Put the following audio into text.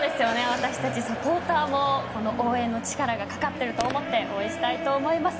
私たちサポーターも応援の力がかかっていると思って応援したいと思います。